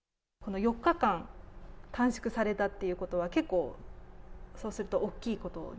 この４日間短縮されたっていうことは、結構そうすると大きいこと？